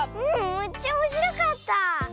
めっちゃおもしろかった！